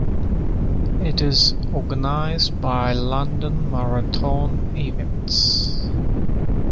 It is organized by London Marathon events.